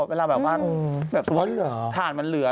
เวลาแบบว่าถ่านมันเหลือ